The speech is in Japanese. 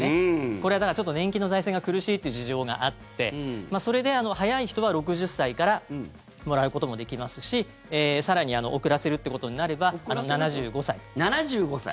これは、だから年金の財政が苦しいっていう事情があってそれで早い人は、６０歳からもらうこともできますし更に遅らせるっていうことになれば、７５歳。